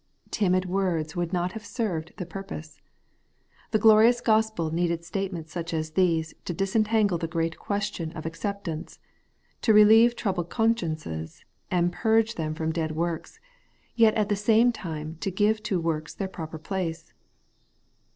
Timid words would not have served the purpose. The glorious gospel needed statements such as these to dis entangle the great question of acceptance ; to relieve troubled consciences, and purge them from dead works, yet at the same time to give to works their proper place.